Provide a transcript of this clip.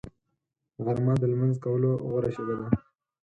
غرمه د لمونځ کولو غوره شېبه ده